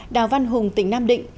đào văn hùng tỉnh nam định